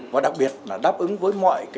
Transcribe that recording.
và đặc biệt là đáp ứng với mọi cái yêu cầu